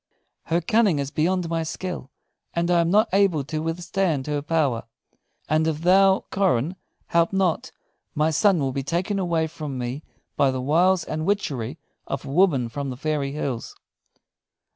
Her cunning is beyond my skill, and I am not able to withstand her power; and if thou, Coran, help not, my son will be taken away from me by the wiles and witchery of a woman from the fairy hills."